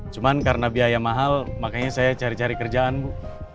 cuman karena biaya mahal makanya saya cari cari kerjaan bu